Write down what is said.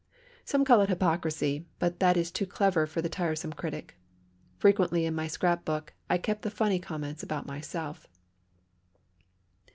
Some call it hypocrisy, but that is too clever for the tiresome critic. Frequently, in my scrap book, I kept the funny comments about myself.